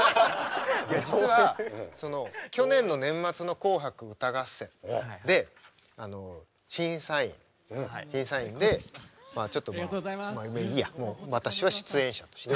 実は去年の年末の「紅白歌合戦」で審査員でちょっとまあまあいいや私は出演者として。